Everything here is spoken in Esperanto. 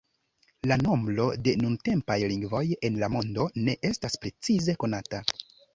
La nombro de nuntempaj lingvoj en la mondo ne estas precize konata.